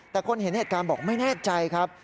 แต่คนเห็นเหตุการณ์บอกไม่แน่ใจครับ